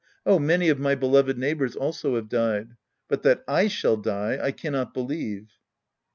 Oh, many of my beloved neighbors also have died. But that I shall die, I cannot believe.